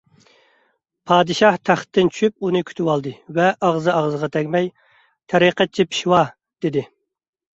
پادىشاھ تەختتىن چۈشۈپ ئۇنى كۈتۈۋالدى ۋە ئاغزى - ئاغزىغا تەگمەي: «تەرىقەتچى پېشۋا!» دېدى.